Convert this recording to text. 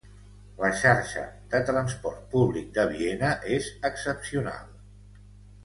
La xarxa de transport públic de Viena és excepcional.